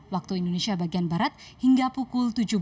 waktu indonesia bagian barat hingga pukul tujuh belas